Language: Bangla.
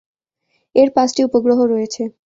এর পাঁচটি উপগ্রহ রয়েছে।